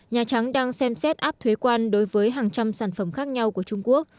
nhà trắng đang xem xét áp thuế quan đối với hàng trăm sản phẩm khác nhau của trung quốc